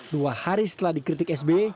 dua hari setelah dikritik sbe